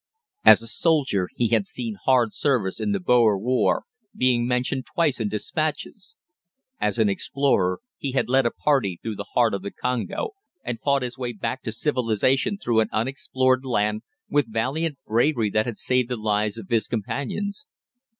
As a soldier he had seen hard service in the Boer War, being mentioned twice in despatches; as an explorer he had led a party through the heart of the Congo and fought his way back to civilisation through an unexplored land with valiant bravery that had saved the lives of his companions.